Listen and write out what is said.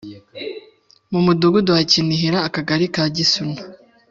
mu Mudugudu wa Kinihira Akagari ka Gisuna